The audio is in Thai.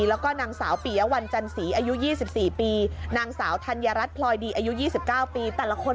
แล้วก็นางสาวปียวัลจันสีอายุ๒๔ปีนางสาวธัญรัฐพลอยดีอายุ๒๙ปีแต่ละคน